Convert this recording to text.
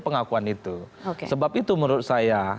pengakuan itu sebab itu menurut saya